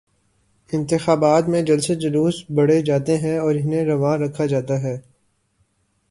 انتخابات میں جلسے جلوس بڑھ جاتے ہیں اور انہیں روا رکھا جاتا ہے۔